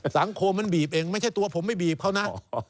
สังคมมันบีบเองไม่ใช่ตัวผมไม่บีบเขานะ